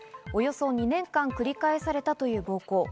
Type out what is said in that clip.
およそ２年間繰り返されたという暴行。